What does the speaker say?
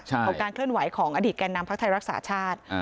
ของการเคลื่อนไหวของอดีตแก่นำพักไทยรักษาชาติ